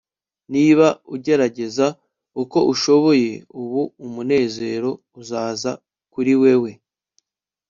Niba ugerageza uko ushoboye ubu umunezero uzaza kuri wewe